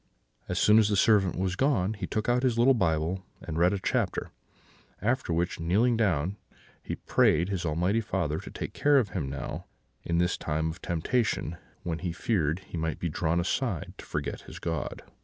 As soon as the servant was gone, he took out his Bible and read a chapter; after which, kneeling down, he prayed his Almighty Father to take care of him now, in this time of temptation, when he feared he might be drawn aside to forget his God.